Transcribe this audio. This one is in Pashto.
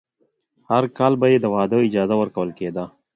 هر کال به یې د واده اجازه ورکول کېده.